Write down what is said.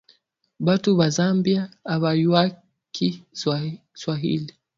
Batu ya zambia abayuwaki swahili